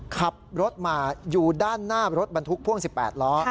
ขับรถมาอยู่ด้านหน้ารถบรรทุกพ่วง๑๘ล้อ